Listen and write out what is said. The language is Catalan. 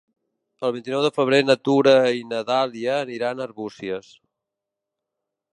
El vint-i-nou de febrer na Tura i na Dàlia aniran a Arbúcies.